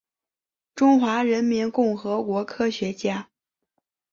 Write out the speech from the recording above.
中华人民共和国科学家。